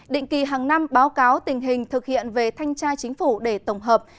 định kỳ hàng năm báo cáo tình hình thực hiện về thanh tra chính phủ để tổng hợp